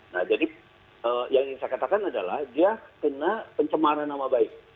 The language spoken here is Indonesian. nah jadi yang ingin saya katakan adalah dia kena pencemaran nama baik